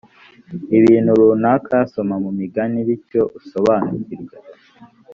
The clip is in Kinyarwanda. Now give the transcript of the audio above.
ibintu runaka soma mu migani bityo usobanukirwe